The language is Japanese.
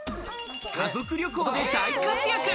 家族旅行で大活躍！